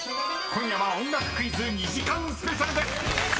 ［今夜は音楽クイズ２時間スペシャルです！］